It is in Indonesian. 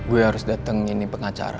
gue harus dateng ini pengacara